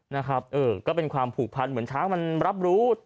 นะครับเออก็เป็นความผูกพันเหมือนช้างมันรับรู้